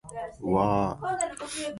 わあああああああ